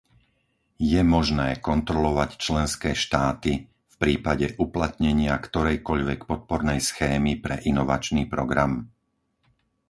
Je možné kontrolovať členské štáty v prípade uplatnenia ktorejkoľvek podpornej schémy pre inovačný program?